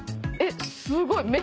すごい！